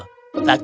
kau sangat bodoh